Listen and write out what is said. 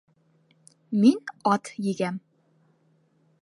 Мин ат егәм.